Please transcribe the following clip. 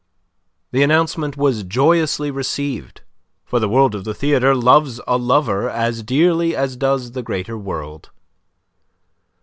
The announcement was joyously received, for the world of the theatre loves a lover as dearly as does the greater world.